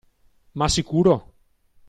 Ma sicuro!